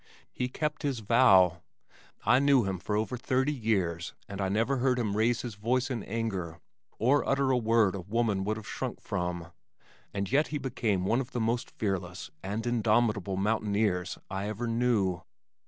He kept his vow. I knew him for over thirty years and I never heard him raise his voice in anger or utter a word a woman would have shrunk from, and yet he became one of the most fearless and indomitable mountaineers I ever knew.